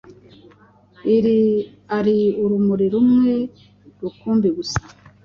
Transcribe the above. ari ururimi rumwe rukumbi gusa.